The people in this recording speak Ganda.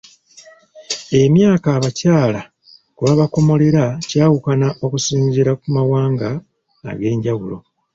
Emyaka abakyala kwe babakomolera gyawukana okusinziira ku mawanga ag'enjawulo